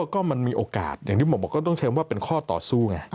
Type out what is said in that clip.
ก็มันมีโอกาสอย่างที่ผมบอกก็ต้องใช้ว่าเป็นข้อต่อสู้ไง